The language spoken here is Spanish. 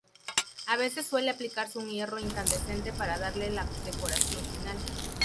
A veces suele aplicarse un hierro incandescente para darle la decoración final.